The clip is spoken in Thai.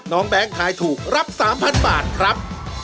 น้องแบงค์ไทท์ถูกรับ๓๐๐๐บาทครับ